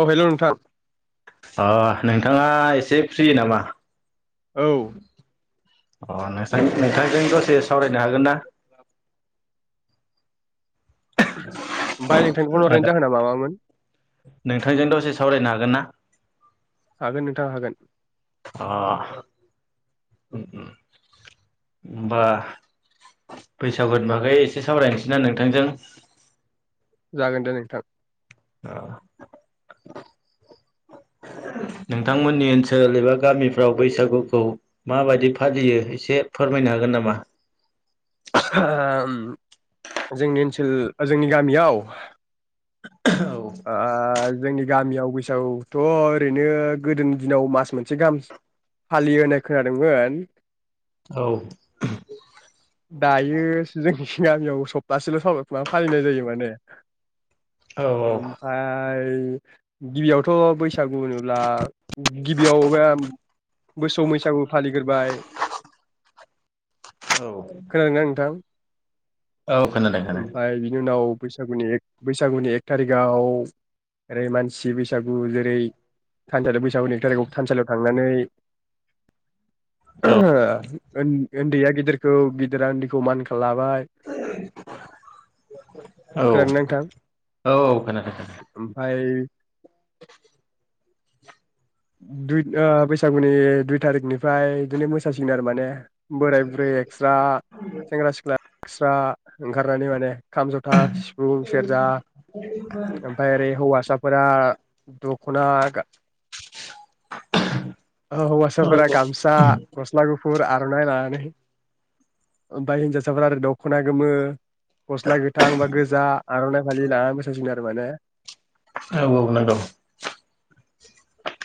औ हेलौ नोंथां। अ नोंथाङा एसे फ्रि नामा? औ। अ [unintelligible] नोंथांजों दसे एसे सावरायनो हागोन ना? [unintelligible] ओमफाय नोंथांनि खन हरनायनि आदा जाहोन ना मा मा मोन? नोंथांजों दसे सावरायनो हागोन ना? हागोन नोंथां हागोन। अ होनबा बैसागुनि बागै एसे सावरायनोसै ना नोंथांजों। जागोन दे नोंथां। ओ नोंथांमोननि ओनसोल एबा गामिफ्राव बैसागुखौ माबायदि फालियो एसे फोरमायनो हागोन नामा? [unintelligible] जोंनि ओनसोल जोंनि गामियाव औ। ओ जोंनि गामियाव बैसागुथ' ओरैनो गोदोनि दिनाव मास मोनसे गाहाम फालियो होननाय खोनादोंमोन। औ। दायो जों गामियाव सप्तासेल' सा फालिनाय जायो माने। औ ओमफाय गिबियावथ' बैसागु होनोब्ला गिबियाव बे मोसौ बैसागु फालिग्रोबाय औ खोनादोंना नोंथां? औ खोनादों खो ओमफाय बिनि उनाव बैसागुनि एक बैसागुनि एक थारिखाव ओरै मानसि बैसागु जेरै [unintelligible] [unintelligible] थानसालियाव थांनानै [unintelligible] औ [unintelligible] उैन्दैया गेदेर खौ गिदिरा उन्दखौ मान खालाम। [unintelligible] औ खोनादोंना नोंथां औ खोनादों खोनादों ओमफ्राय दुइ बैसागुनि दुइ थारिखनिफ्राय बिदिनो मोसासिगोन आरो माने। बोराय-बुरै एक्स्रा सेंग्रा-सिख्ला एक्स्रा ओंखारनानै माने। खाम जथा सिफुं सेरजा ओमफ्राय ओरै हौवासा फोरा दख'ना गा अ औ हौवासाफोरा औ गामसा, गस्ला गुफुर आ र'नाय लानानै ओमफ्राय हिन्जावसाफोरा आरो दख'ना गोमो गस्ला गोथां बा गोजा आर'नाइ फालि लाना मोसासिगोन आरो माने औ औ नांगौ।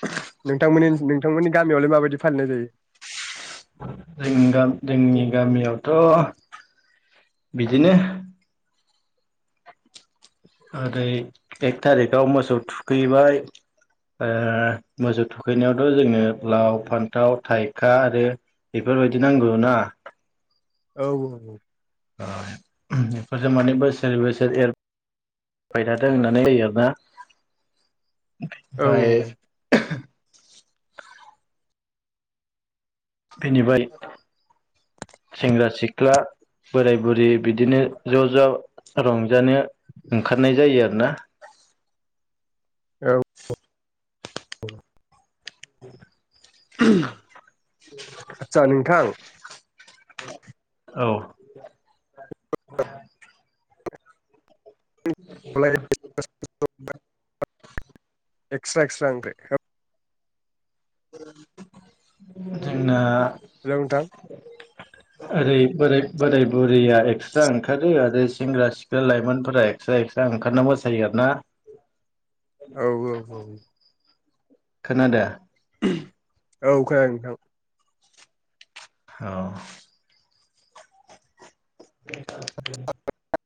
[unintelligible] नोंथां नोंथांमोननि गामियावलाय माबायदि फालिनाय जायो? जों जोंनि गामियावथ' बिदिनो ओरै एक थारिखाव मोसौ थुखैबाय मोसौ थुखैनायावथ' जोंनो लाव फान्थाव थाइखा आरो बेफोरबायदि नांगौ ना। औ औ बेफोरजों माने बोसोरै बोसोर एरबाय थादों होननानै आरोना औ ओमफ्राय औ बेनिफ्राय सेंग्रा सिख्ला बोराय बुरि बिदिनो ज' ज' रंजानो ओंखारनाय जायो आरोना औ [unintelligible] आतसा नोंथां औ [unintelligible] एक्सट्रा एक्सट्रा जोंना हेलौ नोंथां ओरै बोराय बुरैया एक्सट्रा ओंखारो आरो सेंग्रा सिख्ला लाइमोनफोरा एक्सट्रा एक्सट्रा ओंखारना मोसायो आरो ना। औ औ औ खोनादो [unintelligible] औ खोनादों नोंथां औ [unintelligible]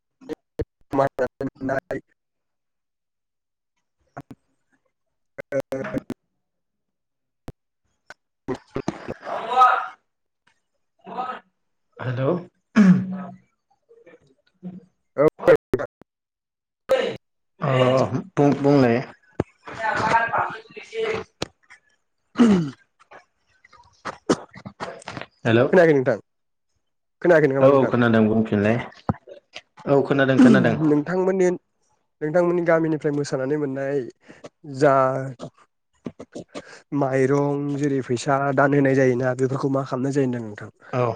[unintelligible] [unintelligible] [unintelligible] हेल' [unintelligible] अ बुं बुंलाय [unintelligible] हेलौ खोनायाखै नोंथां? खोनायाखै नामा औ नोंथां खोनादों बुंफिनलाय औ खोनादों खोनादों नोंथांमोननि नोंथांमोननि गामिनिफ्राय मोसानानै मोननाय ओमफ्राय जा [unintelligible] मा माइरं जेरै फैसा दान होनाय जायोना बेफोरखौ मा खालामनाय जा [unintelligible] औ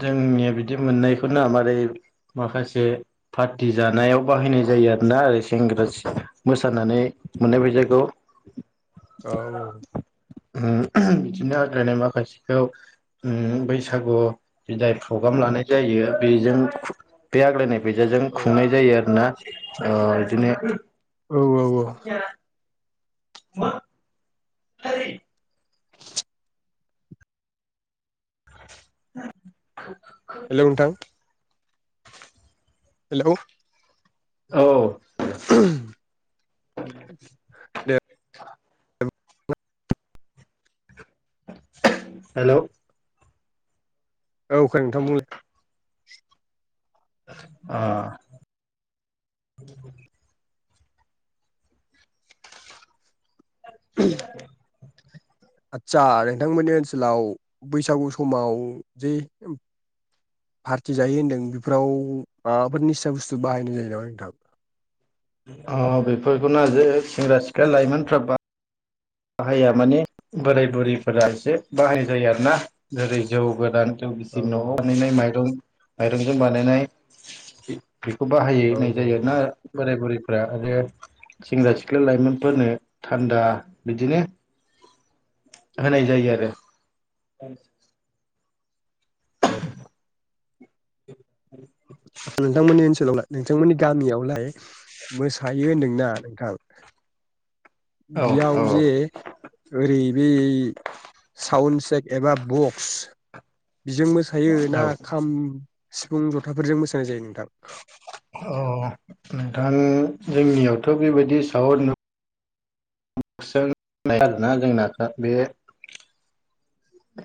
जोंनिया बिदि मोननायखौनो मारै माखासे पार्टि जानायाव बाहायनाय जायो आरोना ओरै सेंग्रा मोसानानै मोननाय फैसाखौ। औ बिदिनो आग्लायनाय माखासेखौ बैसागु बिदाय प्रग्राम लानाय जायो बेजों बे आग्लायनाय फैसाजों औ खुंनाय जायो आरोना अ बिदिनो औ औ [unintelligible] [unintelligible] [unintelligible] हेल' नोंथां [unintelligible] हेलौ औ। [unintelligible] दे [inaudible] हेलौ औ [unintelligible] अ। [unintelligible] आदसा नोंथांमोननि ओनसोलाव बैसागु समाव जे फार्टि जायो होनदों बेफोराव माबाफोर निसा बुस्थु बाहायनाय जायो नामा नोंथां? ओ बेफोरखौ [unintelligible] सेंग्रा सिख्ला लाइमोनफ्रा बा हाया माने बोराय बुरैफोरा एसे बाहाय जायो आरोना जेरै जौ गोरान जौ गिसि औ न'आव बानायनाय माइरं माइरंजों बानायनाय बेखौ औ बाहायहोनाय जायो औ ना बोराय बुरै [unintelligible] सेंग्रा सिख्ला लाइमोनफोरनो थान्दा बिदिनो होनाय जायो आरो। [inaudible] औ। [inaudible] नोंथांमोननि ओनसोलाव नोंथांमोननि गामियावलाय मोसायो होनदों ना नोंथां औ बेयाव जे औ ओरै बि साउण्ड सेक एबा बक्स बिजों मोसायो ना औ खाम सिफुं ज'थाफोरजों मोसानाय जायो नोंथां। अ नोंथां जोंनियावथ' बेबायदि साउण्ड सों नाय आरोना जोंना बे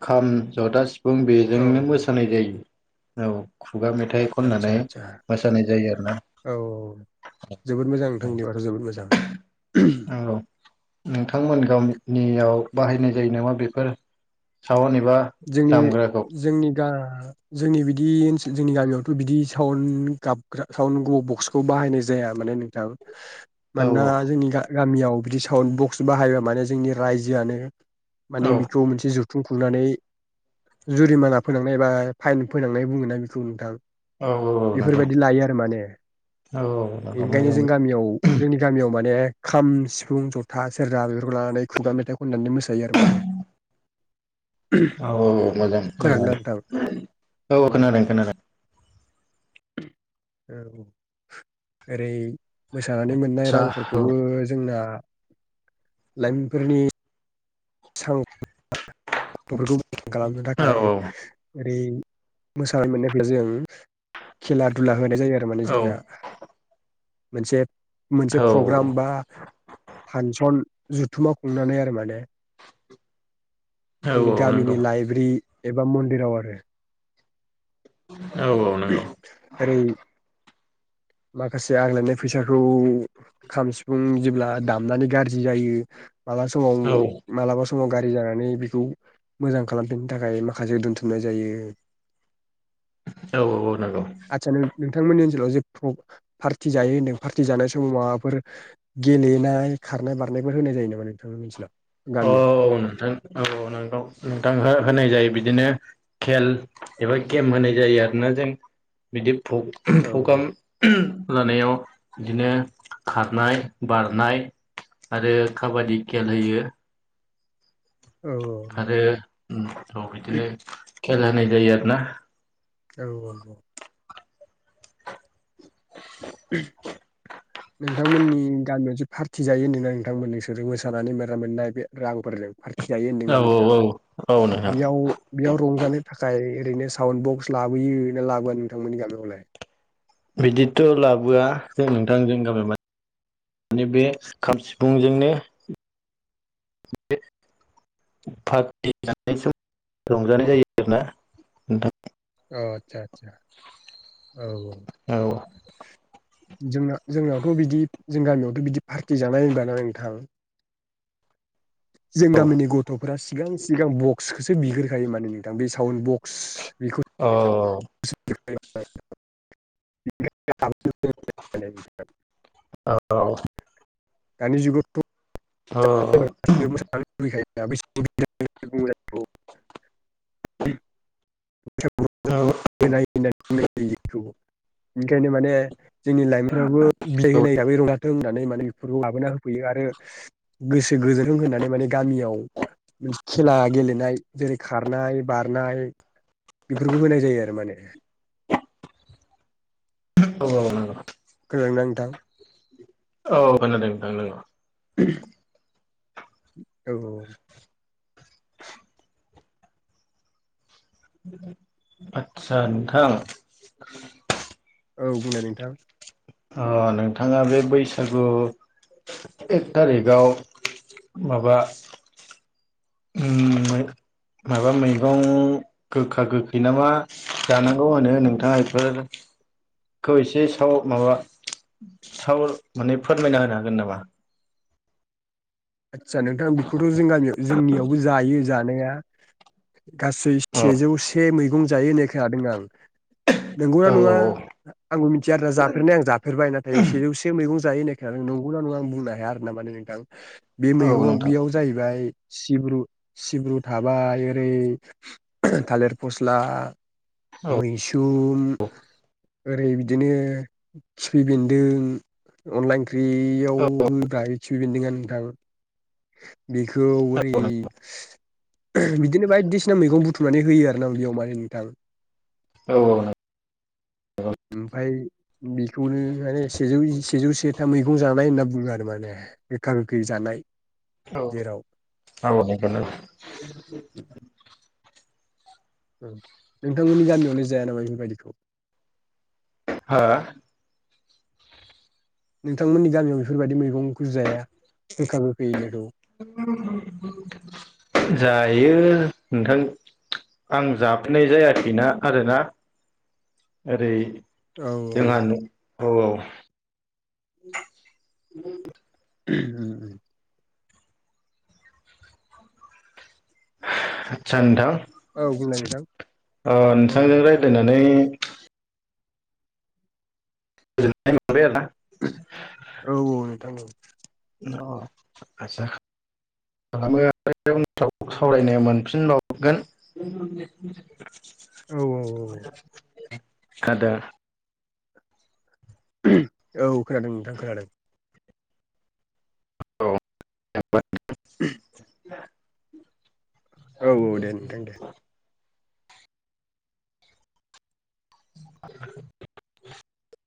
खाम जथा सि फुं औ बेजोंनो मोसानाय जायो। औ खुगा मेथाइ खननानै आदसा आदसा मोसानाय जायो आरोना औ औ जोबोद मोजां नोंथां बिदिबा जोबोद मोजां। औ। उम। बिथांमोन गाम नियाव बाहायनाय जायो नामा बेफोर सावानि जोंनि जोंनि गा जोंनि बिदि ओनसोल जोंनि गामियावथ' बिदि साउण्ड गाबग्रा साउण्ड बक्सखौ बाहायनाय जाया माने नोंथां। औ मानोना जोंनि गा गामियाव बिदि साउन्ड बक्स बाहायबा माने जोंनि रायजोआनो औ माने बेखौ मोनसे जु थुं खुंनानै जुरिमाना फोनांनाय एबा फाइन फोनांनाय बुङोना बेखौ नोंथां औ औ नंगौ बेफोरबायदि लायो आरो माने औ औ नंगौ बेनिखायनो जों मोजां औ गामियाव जोंनि गामियाव माने खाम सिफुं जथा सेरजा बेफोरखौ लानानै खुगा मेथाइ खन्नानै मोसायो आरो माने [inaudible] औ औ मोजां खोनादोंना नोंथां मोजाङानो औ औ खोनादों खोनादों। औ ओरै मोसानानै मोन्नाय आदसा औ रांफोरखौबो जोंना लाइमोन फोरनि सां [unintelligible] [unintelligible] मोजां खालामनो औ थाखाय। ओरै मोसाना मोन्नाय [unintelligible] जों खेला दुला हो नाय जायो आरो माने जोंना मोनसे मोनसे औ प्रग्राम बा फान्सन जुथुमा खुंनानै आरो माने औ जोंनि औ नंगौ गामिनि लाइब्रि एबा मन्दिराव आरो [inaudible] औ औ नोंगौ। ओरै माखासे आग्लायनाय फैसाखौ खाम सिफुं जेब्ला दामनानै गाज्रि जायो मालाबा समाव औ मालाबा समाव गारि जानानै खौ मोजां खालामफिननो थाखाय माखासे दोनथुमनाय जायो औ औ नंगौ आदसा नो नोंथांमोननि ओनसोलाव जे पार्टि जायो होन्दों पार्टि जानाय समाव माबाफोर गेलेनाय खारनाय बारनायफोर होनाय जायो नामा नोंथांनि ओसोलाव? औ नोंथां औ नोंगौ नोंथां होनाय जायो बि दिनो खेल एबा गेम होनाय जायो आरोना जों बिदि फौ औ पग्राम लानायाव बिदिनो खारनाय बारनाय आरो काबादि खेल होयो औ आरो उम औ बिदिनो खेला होनाय जायो आरो ना औ [unintelligible] ओम नोंथांमोननि गामियाव जे पार्टि जायो होनदों ना नोंथांमोन नोंसोरजों मोसानानै मोननाय बे रांफोरजों पार जायो होनदों औ ना नोंथां औ औ औ नोंथां बेयाव बेयाव रंजानो थाखाय, ओरैनो साउन्ड बक्स लाबोयो ना लाबोआ नोंथांमोननि गामिआवलाय? बिदिथ' लाबोआ जों नोंथांजों गामि मे बे खाम सिफुंजोंनो पार्टि जानाय सम रंजानाय जायो आरो ना नोंथां। औ आदसा, [unintelligible] औ औ औ जोंना जोंनायावथ' बिदि जों गामियावथ' बिदि पार्टि जानाय होनबा ना नोंथां जों गामिनि गथ'फोरा सिगां सिगां बक्स, खौसो बिग्रोखायो माने नोंथां बे साउन्ड बक्स, बेखौ अ [unintelligible] [unintelligible] औ दानि जुगावथ' अ औ मोसानो लुबैखायो औ [unintelligible] [unintelligible] [unintelligible] ओंखायनो माने, जोंनि लाइमोनफ्राबो बिलाइ होनाय हिसाबै रंजाथों, होनानै इफोरखौ लाबोना होफैयो आरो गोसो गोरोब होनानै माने गामियाव खेला गेलेनाय जेरै खारनाय बारनाय, बेफोरखौ होनाय जायो आरो माने, औ नंगौ खोनादों ना नोंथां? औ खोनादों नोथां नंगौ। औ औ आदसा नोंथां औ बुंलाय नोंथां। ओ नोंथाङा बे बैसागु एक थारिखआव माबा उम माबा मैगं गोखा गोखै नामा जानांगौ होनो नोंथाङा बेफोरखौ एसे साव माबा साव माने फोरमायना होनो हागोन नामा? आदसा नोंथां बेखौथ' जों गामियाव जोंनियाव जायो जानाया गासै नामा सेजौ से मै जायो होननाय खोनादों आं नंगौ ना औ नङा आंबो मिथिया आरो जाफेरनाय आं जाफेरबाय नाथाय सेजौसे मैगं जायो होननाय खोनादों नंगौ ना नङा आं बुंनो हाया आरो ना माने नोंथां। बे औ मैगङाव नोंथां बेयाव जाहैबाय सिब्रु सिब्रु थाबाय ओरै थालिर फसला औ मै सुम ओरै बिदिनो खिफि बेन्दों अनला ओंख्रियाव औ होब्रा खिफि बेन्दों आ नोंथां बेखौ ओरै बिदिनो बायदिसिना मैगं बु बुथुमनानै होयो आरोना उदैयाव माने नोंथां औ नों उम ओमफाय बेखौनो माने सेजौ सेजौ सेथा मैगं जानाय होनना बुङो आरो माने गोखा गोखै जानाय जेराव [unintelligible] नोंथांमोननि गामियावलाय जाया नामा बेफोरबायदिखौ हा नोंथांमोननि गामियाव बेफोरबायदि मैगंखौ जाया गोखा गोखै होननायखौ जायो नोंथां आं जाफैनाय जायाखैना आरोना ओरै औ जोंहा न औ औ [inaudible] [inaudible] [unintelligible] आतच्छा नोंथां औ बुंलाय नोंथां ओ औ नोंथांजों रायज्लायनानै [unintelligible] [unintelligible] औ औ नोंथां औ [inaudible] अ आच्छा [unintelligible] सावरायनो मोनफिनबावगोन। [inaudible] औ औ औ [unintelligible] औ खोनादों नोंथां खोनादों। औ [unintelligible] [unintelligible] औ औ दे नोंथां दे। [inaudible]